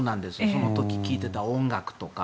その時、聴いていた音楽とか。